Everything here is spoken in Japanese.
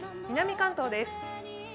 南関東です。